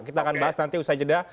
kita akan bahas nanti usai jeda